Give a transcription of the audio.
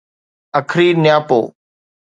اکري نياپو